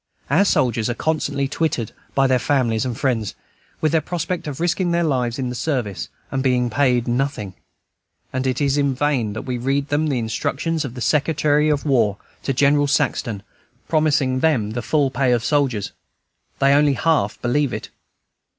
Our soldiers are constantly twitted by their families and friends with their prospect of risking their lives in the service, and being paid nothing; and it is in vain that we read them the instructions of the Secretary of War to General Saxton, promising them the full pay of soldiers. They only half believe it.